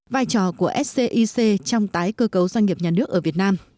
vai trò của scic trong tái cơ cấu doanh nghiệp nhà nước ở việt nam